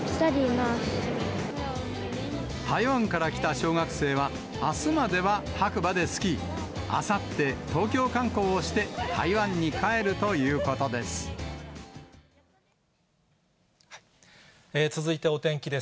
台湾から来た小学生は、あすまでは白馬でスキー、あさって東京観光をして、続いてお天気です。